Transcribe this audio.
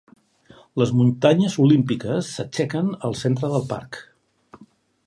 Les muntanyes Olímpiques s'aixequen al centre del parc.